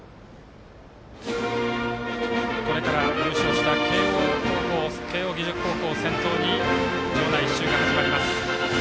これから優勝した慶応義塾高校を先頭に場内１周が始まります。